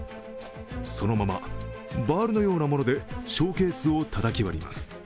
そのままバールのようなものでショーケースをたたき割ります。